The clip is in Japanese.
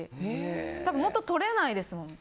多分、元取れないですもん。